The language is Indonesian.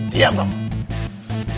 tidak ada apa apa